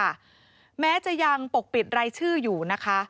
หลายคนค่ะแม้จะยังปกปิดรายชื่ออยู่นะคะ